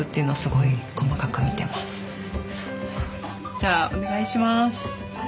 じゃあお願いします。